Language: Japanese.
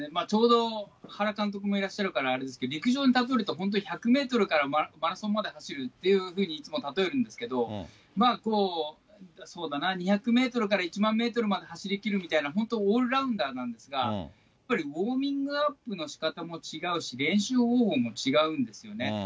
ちょうど原監督もいらっしゃるからあれですけど、陸上に例えると１００メートルからマラソンまで走るっていうふうに、いつも例えるんですけど、そうだな、２００メートルから１万メートルまで走りきるみたいな、本当、オールラウンダーなんですが、やっぱりウォーミングアップの仕方も違うし、練習方法も違うんですよね。